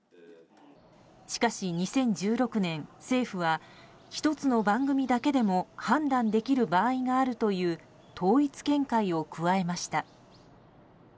しかし、２０１６年、政府は１つの番組だけでも判断できる場合があるという統一見解を加えました。